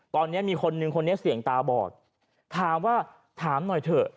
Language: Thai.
ตอนนี้มีคนนึงคนนี้เสี่ยงตาบอดถามว่าถามหน่อยเถอะ